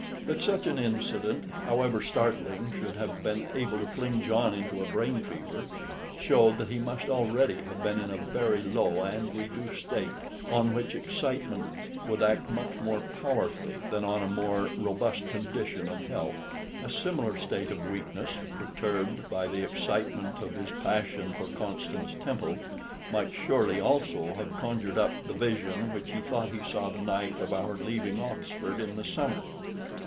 That such an incident, however startling, should have been able to fling John into a brain fever, showed that he must already have been in a very low and reduced state, on which excitement would act much more powerfully than on a more robust condition of health. A similar state of weakness, perturbed by the excitement of his passion for Constance Temple, might surely also have conjured up the vision which he thought he saw the night of our leaving Oxford in the summer.